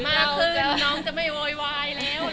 มากขึ้นน้องจะไม่โวยวายแล้ว